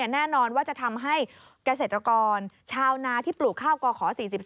แน่นอนว่าจะทำให้เกษตรกรชาวนาที่ปลูกข้าวก่อขอ๔๓